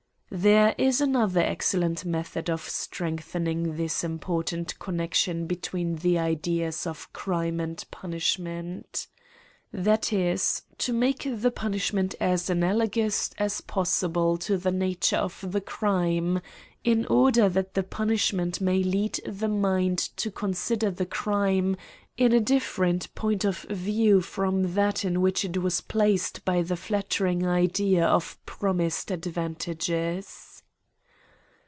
There is another excellent method of strength ening this important connection between the ideas of crime and punishment ; that is, to make the punishment as analogous as possible to the nature of the crime, in order that the punishment may lead the mind to consider the crime in a different point of view from that in which it was placed by the flattering idea of promised advantages. CRIMES AND PUNISHMENTS.